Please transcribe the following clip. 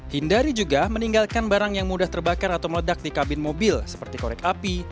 hindari juga meninggalkan barang yang mudah terbakar atau meledak di kabin mobil seperti korek api